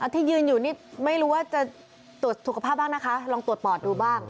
ที่ยืนอยู่นี่ไม่รู้ว่าจะตรวจสุขภาพบ้างนะคะลองตรวจปอดดูบ้าง